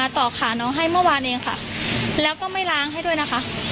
ต่อขาน้องให้เมื่อวานเองค่ะแล้วก็ไม่ล้างให้ด้วยนะคะ